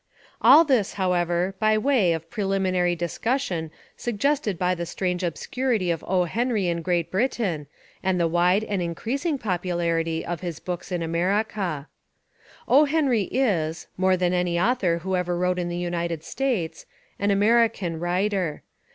All this, however, by way of preliminary dis cussion suggested by the strange obscurity of O. Henry in Great Britain, and the wide and In 236 The Amazing Genius of O. Henry creasing popularity of his books in America. O. Henry is, more than any author who ever wrote in the United States, an American writer.